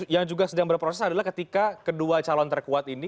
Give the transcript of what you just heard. yang juga sedang berproses adalah ketika kedua calon terkuat ini